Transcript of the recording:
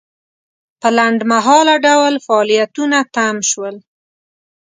په لنډمهاله ډول فعالیتونه تم شول.